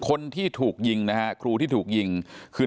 คนที่ถูกยิงนะฮะครูที่ถูกยิงคือ